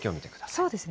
そうですね。